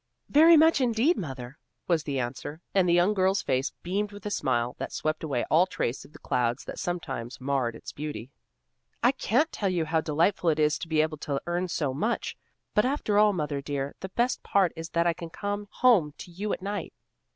"Very much indeed, mother," was the answer, and the young girl's face beamed with a smile that swept away all trace of the clouds that sometimes marred its beauty. "I can't tell you how delightful it is to be able to earn so much. But after all, mother dear, the best part is that I can come home to you at night."